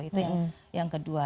itu yang kedua